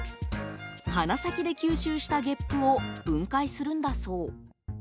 鼻先で吸収したげっぷを分解するんだそう。